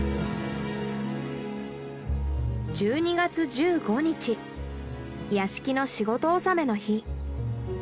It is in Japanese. １２月１５日屋敷の仕事納めの日。